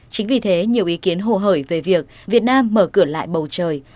chính vì thế nhiều ý kiến hồ hởi về việc việt nam mở cửa lại bầu trời